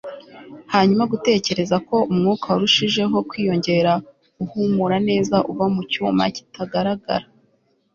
hanyuma, gutekereza ko umwuka warushijeho kwiyongera, uhumura neza uva mu cyuma kitagaragara